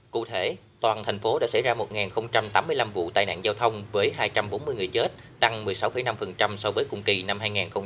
cụ thể toàn thành phố đã xảy ra một tám mươi năm vụ tai nạn giao thông với hai trăm bốn mươi người chết tăng một mươi sáu năm so với cùng kỳ năm hai nghìn một mươi chín